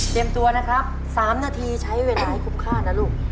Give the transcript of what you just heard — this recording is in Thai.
ตัวนะครับ๓นาทีใช้เวลาให้คุ้มค่านะลูก